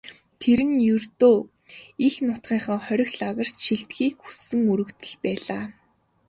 Тэр нь ердөө эх нутгийнхаа хорих лагерьт шилжихийг хүссэн өргөдөл байлаа.